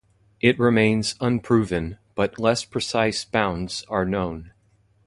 It remains unproven, but less precise bounds are known.